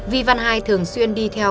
vi văn hai thường xuyên đi theo